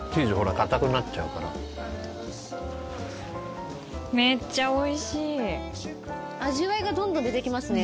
かたくなっちゃうからめっちゃおいしい味わいがどんどん出てきますね